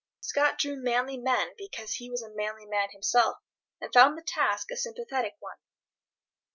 Scott drew manly men because he was a manly man himself, and found the task a sympathetic one.